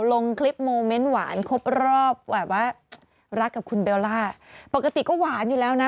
ลงคลิปโมเมนต์หวานครบรอบแบบว่ารักกับคุณเบลล่าปกติก็หวานอยู่แล้วนะ